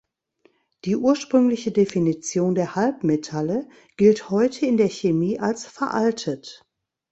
Die ursprüngliche Definition der Halbmetalle gilt heute in der Chemie als veraltet.